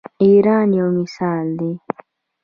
ایران یو مثال دی.